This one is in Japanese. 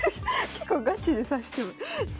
結構ガチで指してしまう。